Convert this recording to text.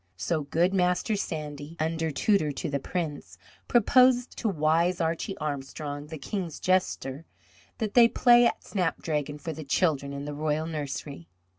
So good Master Sandy, under tutor to the Prince, proposed to wise Archie Armstrong, the King's jester, that they play at snapdragon for the children in the royal nursery.